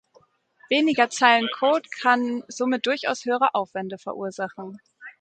Weniger Zeilen Code kann somit durchaus höhere Aufwände verursachen.